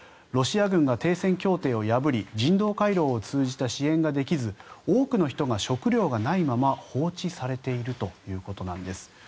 ロシア軍が停戦協定を破り人道回廊を通じた支援ができず多くの人が食料がないまま放置されているということです。